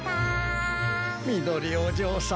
みどりおじょうさま